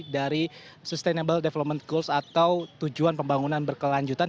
dari sustainable development goals atau tujuan pembangunan berkelanjutan